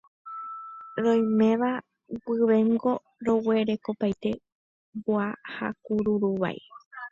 Roiméva guivéngo roguerekopaite vua ha kuruvai.